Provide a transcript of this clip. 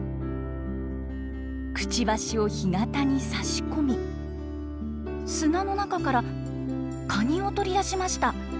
クチバシを干潟に差し込み砂の中からカニを取り出しました。